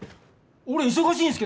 俺忙しいんすけど！